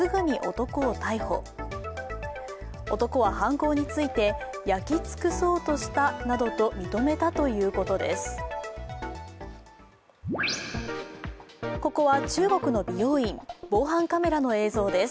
男は犯行について、焼き尽くそうとしたと認めたということです。